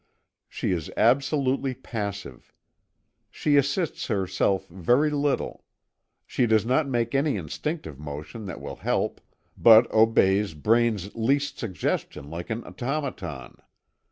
She is absolutely passive. She assists herself very little. She does not make any instinctive motion that will help, but obeys Braine's least suggestion like an automaton.